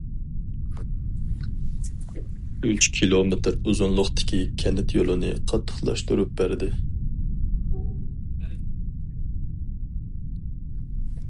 ئۈچ كىلومېتىر ئۇزۇنلۇقتىكى كەنت يولىنى قاتتىقلاشتۇرۇپ بەردى.